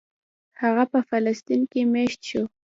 هغه په فلسطین کې مېشت شو.